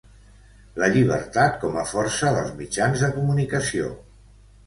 La llibertat com a força dels mitjans de comunicació.